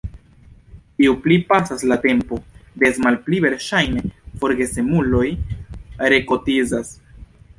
Ju pli pasas la tempo, des malpli verŝajne forgesemuloj rekotizas.